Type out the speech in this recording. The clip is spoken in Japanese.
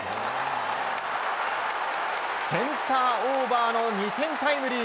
センターオーバーの２点タイムリー。